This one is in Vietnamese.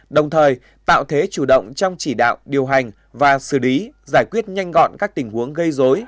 đồng thời tạo thế chủ động trong chỉ đạo điều hành và xử lý giải quyết nhanh gọn các tình huống gây dối